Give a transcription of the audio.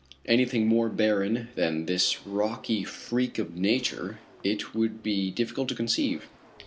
Anything more barren than this rocky freak of nature it would be difficult to conceive.